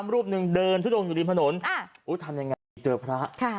รูปหนึ่งเดินทุกตรงอยู่ในถนนอ่าอุ้ยทำยังไงเจอพระค่ะ